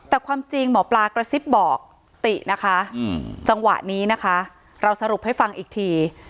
แต่ความจริงหมอปลากระซิบบอกตินะคะจังหวะนี้นะคะเราสรุปให้ฟังอีกที